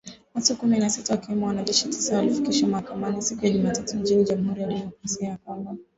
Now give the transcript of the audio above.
Watu kumi na sita wakiwemo wanajeshi tisa walifikishwa mahakamani siku ya Jumatatu nchini Jamhuri ya Kidemokrasi ya Kongo.